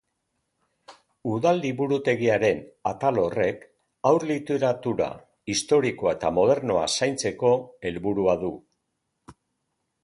Udal liburutegiaren atal horrek Haur literatura historikoa eta modernoa zaintzeko helburua du.